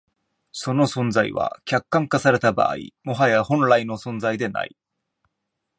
その存在は、客観化された場合、もはや本来の存在でない。